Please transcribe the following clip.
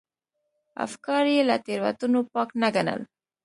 افکار یې له تېروتنو پاک نه ګڼل.